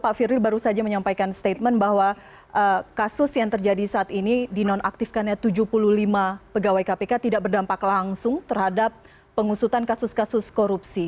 pak firly baru saja menyampaikan statement bahwa kasus yang terjadi saat ini dinonaktifkannya tujuh puluh lima pegawai kpk tidak berdampak langsung terhadap pengusutan kasus kasus korupsi